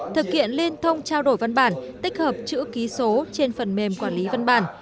thực hiện liên thông trao đổi văn bản tích hợp chữ ký số trên phần mềm quản lý văn bản